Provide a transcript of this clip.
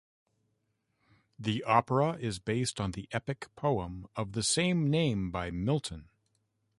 The opera is based on the epic poem of the same name by Milton.